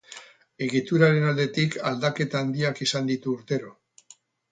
Egituraren aldetik aldaketa handiak izan ditu urtero.